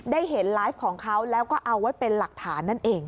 ได้เห็นไลฟ์ของเขาแล้วก็เอาไว้เป็นหลักฐานนั่นเอง